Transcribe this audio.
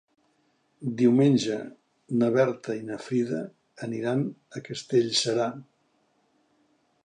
Diumenge na Berta i na Frida aniran a Castellserà.